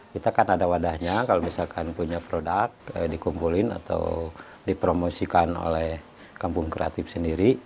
kita kan ada wadahnya kalau misalkan punya produk dikumpulin atau dipromosikan oleh kampung kreatif sendiri